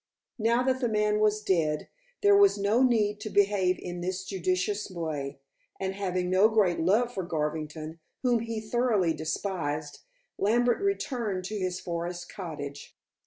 Now that the man was dead, there was no need to behave in this judicious way, and having no great love for Garvington, whom he thoroughly despised, Lambert returned to his forest cottage.